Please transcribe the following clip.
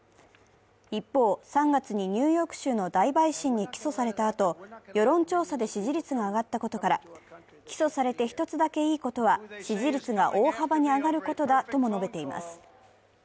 一方、３月にニューヨーク州の大陪審に起訴されたあと、世論調査で支持率が上がったことから、起訴されて１つだけいいことは支持率が大幅に上がることだとも述べています。